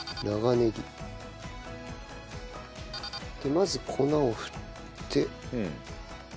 まず粉を振って。